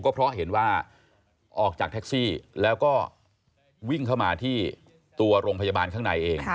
ก็เพราะเห็นว่าออกจากแท็กซี่แล้วก็วิ่งเข้ามาที่ตัวโรงพยาบาลข้างในเอง